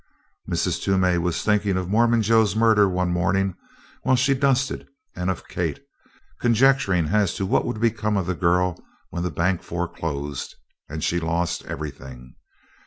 Mrs. Toomey was thinking of Mormon Joe's murder one morning while she dusted, and of Kate conjecturing as to what would become of the girl when the bank foreclosed and she lost everything.